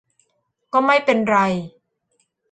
ก็ไม่เป็นไร